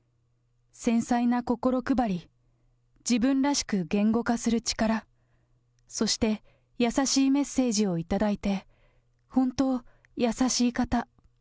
繊細な心配り、自分らしく言語化する力、そして優しいメッセージを頂いて、本当、優しい方。